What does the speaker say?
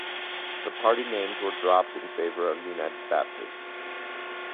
The party names were dropped in favor of United Baptists.